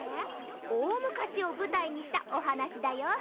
おおむかしをぶたいにしたおはなしだよ。